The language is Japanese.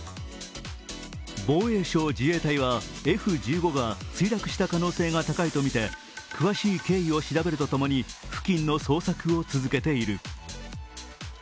防衛省・自衛隊はＦ１５が墜落した可能性が高いとみて詳しい経緯を調べるとともに付近の捜索を続けている。